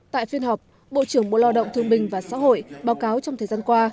tại phiên họp bộ trưởng bộ lao động thương bình và xã hội báo cáo trong thời gian qua